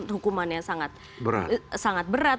hukumannya sangat berat